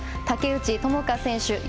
竹内智香選手